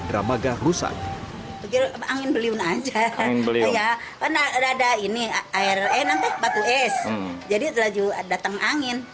dramaga rusak angin beliun aja ya kan ada ini air enak batu es jadi laju datang angin